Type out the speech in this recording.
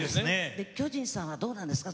巨人さんはどうなんですか？